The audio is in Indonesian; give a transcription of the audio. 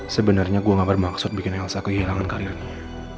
sebenarnya gue gak bermaksud bikin elsa kehilangan karirnya